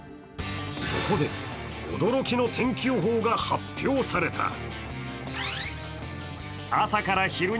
そこで驚きの天気予報が発表された。